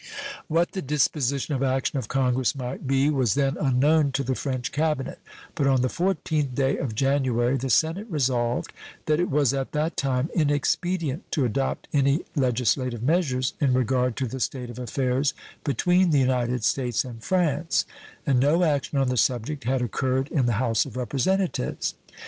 What the disposition of action of Congress might be was then unknown to the French cabinet; but on the 14th day of January the Senate resolved that it was at that time inexpedient to adopt any legislative measures in regard to the state of affairs between the United States and France, and no action on the subject had occurred in the House of Representatives.